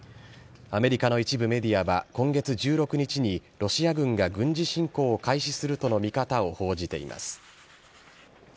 アメリカの一部メディアは今月１６日にロシア軍が軍事侵攻を開始するとの見方を報じています。